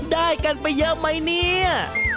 ได้กันไปเยอะไหมเนี่ย